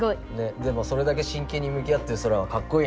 でもそれだけしんけんにむき合ってるソラはかっこいい。